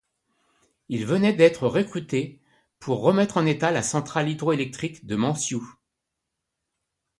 Il venait d’être recruté pour remettre en état la centrale hydroélectrique de Mancioux.